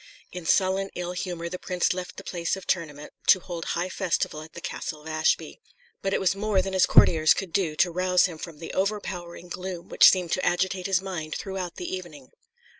In sullen ill humour the prince left the place of tournament to hold high festival at the Castle of Ashby; but it was more than his courtiers could do to rouse him from the overpowering gloom which seemed to agitate his mind throughout the evening.